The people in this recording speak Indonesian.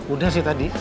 udah sih tadi